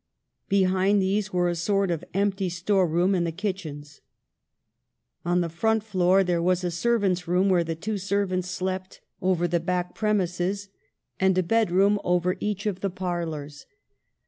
Behind these was a sort of empty store room and the kitchens. On the first floor there was a servants' room, where the two servants slept, over the back premises ; and a bedroom over 28 EMILY BRONTE. each of the parlors.